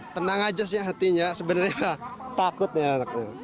tenang aja sih hatinya sebenarnya takut ya